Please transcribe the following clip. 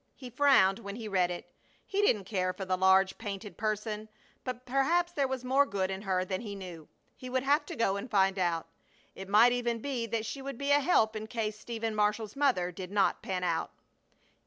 He frowned when he read it. He didn't care for the large, painted person, but perhaps there was more good in her than he knew. He would have to go and find out. It might even be that she would be a help in case Stephen Marshall's mother did not pan out.